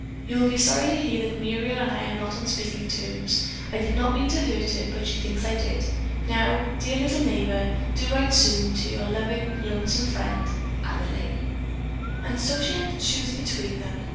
"You will be sorry to hear that Muriel and I are not on speaking terms. I did not mean to hurt her, but she thinks I did. Now, dear little neighbor, do write real soon to your loving, lonesome friend. "Adelaine." And so she had to choose between them.